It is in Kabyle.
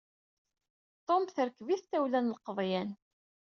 Tum terkeb-it tawla n lqeḍyan.